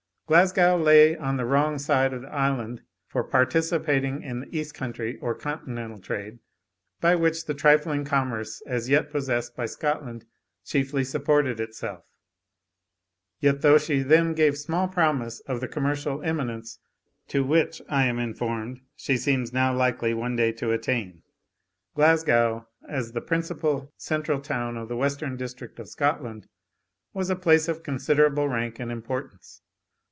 Glasgow lay on the wrong side of the island for participating in the east country or continental trade, by which the trifling commerce as yet possessed by Scotland chiefly supported itself. Yet, though she then gave small promise of the commercial eminence to which, I am informed, she seems now likely one day to attain, Glasgow, as the principal central town of the western district of Scotland, was a place of considerable rank and importance.